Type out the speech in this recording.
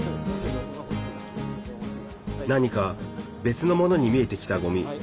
何か別のものに見えてきたごみ。